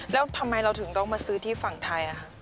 แล้วทำไมเราถึงต้องมาซื้อที่ฝั่งไทย